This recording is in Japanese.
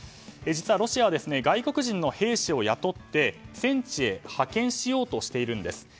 実はロシアは外国人の兵士を雇って戦地へ派遣しようとしているんです。